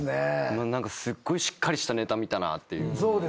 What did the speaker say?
すごいしっかりしたネタ見たなっていう。